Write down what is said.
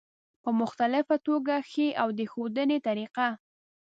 په مختلفه توګه ښي او د ښودنې طریقه